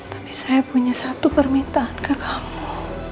tapi saya punya satu permintaan ke kamu